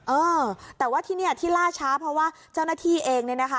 เออแต่ว่าที่นี่ที่ล่าช้าเพราะว่าเจ้าหน้าที่เองเนี่ยนะคะ